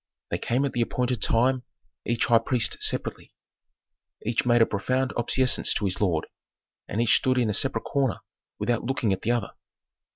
They came at the appointed time, each high priest separately. Each made a profound obeisance to his lord, and each stood in a separate corner without looking at the other.